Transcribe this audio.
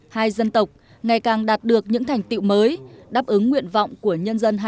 hai dân tộc ngày càng đạt được những thành tựu mới đáp ứng nguyện vọng